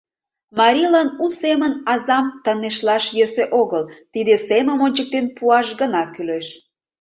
Марийлан у семын азам тынешлаш йӧсӧ огыл, тиде семым ончыктен пуаш гына кӱлеш.